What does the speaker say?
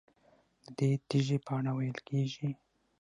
ددې تیږې په اړه ویل کېږي.